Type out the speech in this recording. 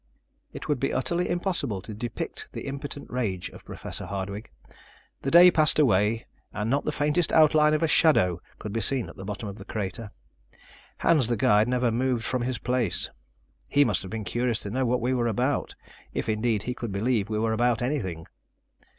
It would be utterly impossible to depict the impotent rage of Professor Hardwigg. The day passed away, and not the faintest outline of a shadow could be seen at the bottom of the crater. Hans the guide never moved from his place. He must have been curious to know what we were about, if indeed he could believe we were about anything.